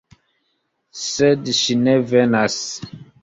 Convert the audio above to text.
Sed ŝi ne venas.